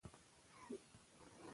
زه پوهېږم چې څپې څه ته وايي.